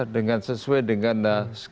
dengan sesuai dengan schedule